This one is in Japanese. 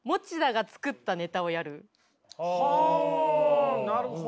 はあなるほど。